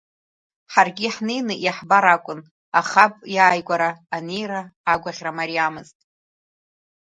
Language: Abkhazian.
Ҳаргьы ҳнеины иаҳбар акәын, аха аб иааигәара анеира агәыӷьра мариамызт.